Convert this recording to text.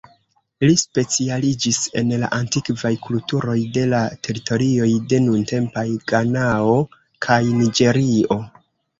Li specialiĝis en la antikvaj kulturoj de la teritorioj de nuntempaj Ganao kaj Niĝerio.